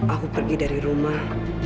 aku pergi dari rumah